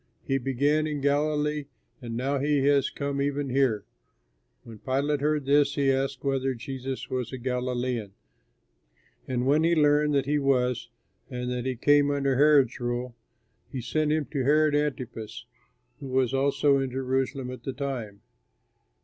He began in Galilee, and now he has come even here." When Pilate heard this he asked whether Jesus was a Galilean, and when he learned that he was and that he came under Herod's rule, he sent him to Herod Antipas, who was also in Jerusalem at this time.